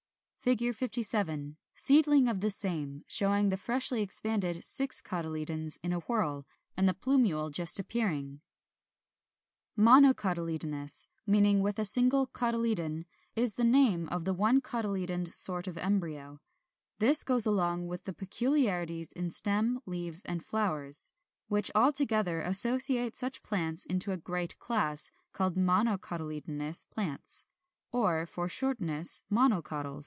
57. Seedling of same, showing the freshly expanded six cotyledons in a whorl, and the plumule just appearing.] 40. =Monocotyledonous= (meaning with single cotyledon) is the name of the one cotyledoned sort of embryo. This goes along with peculiarities in stem, leaves, and flowers, which all together associate such plants into a great class, called MONOCOTYLEDONOUS PLANTS, or, for shortness, MONOCOTYLS.